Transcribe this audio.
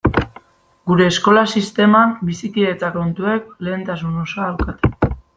Gure eskola sisteman bizikidetza kontuek lehentasun osoa daukate.